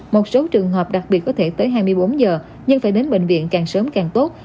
một số trường hợp đặc biệt có thể tới hai mươi bốn giờ nhưng phải đến bệnh viện càng sớm càng tốt